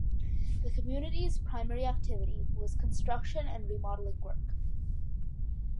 The community's primary activity was construction and remodeling work.